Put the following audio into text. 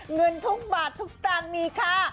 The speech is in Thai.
เงินทุกบาททุกสตางค์มีค่า